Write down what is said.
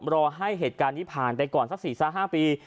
รอให้เหตุการณ์นี้ผ่านไปก่อนสัก๔๕ปี